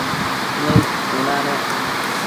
Nëid cuna nec